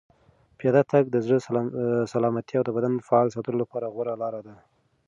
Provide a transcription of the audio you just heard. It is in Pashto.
پیاده تګ د زړه سلامتیا او د بدن فعال ساتلو لپاره غوره لاره ده.